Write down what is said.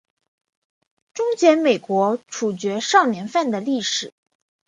终结美国处决少年犯的历史。